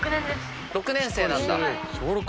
６年生なんだ。